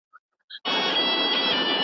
حیادار حیا کول بې حیا ویل زما څخه بېرېږي.